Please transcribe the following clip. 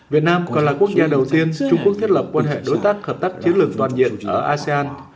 việt nam còn là quốc gia đầu tiên trung quốc thiết lập quan hệ đối tác hợp tác chiến lược toàn diện ở asean